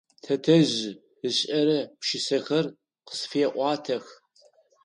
Тэтэжъ ышӏэрэ пшысэхэр къысфеӏуатэх.